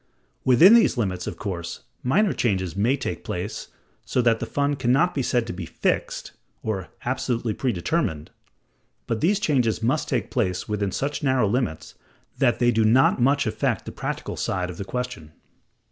Within these limits, of course, minor changes may take place, so that the fund can not be said to be "fixed" or "absolutely predetermined"; but these changes must take place within such narrow limits that they do not much affect the practical side of the question.